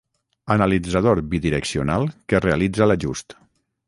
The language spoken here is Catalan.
analitzador bidireccional que realitza l'ajust